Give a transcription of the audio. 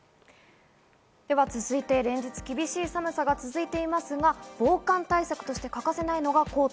続いて、連日厳しい寒さが続いていますが、防寒対策として欠かせないのがコート。